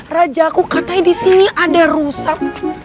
rajaku katanya disini ada rusak